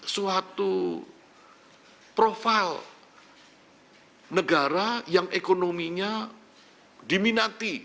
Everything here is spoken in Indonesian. suatu profil negara yang ekonominya diminati